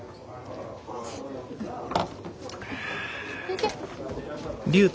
先生。